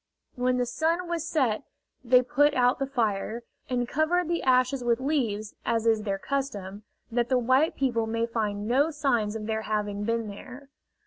When the sun was set they put out the fire, and covered the ashes with leaves, as is their custom, that the white people may find no signs of their having been there.